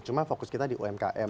cuma fokus kita di umkm